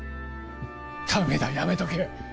うんダメだやめとけ！